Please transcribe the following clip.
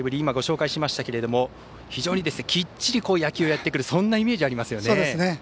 今ご紹介しましたけど非常にきっちり野球をやってくるそんなイメージありますよね。